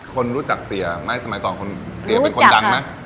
คนรู้จักเตี๋ยไหมสมัยก่อนคนเตี๋ยเป็นคนดังไหม